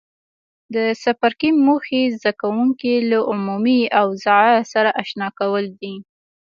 د څپرکي موخې زده کوونکي له عمومي اوضاع سره آشنا کول دي.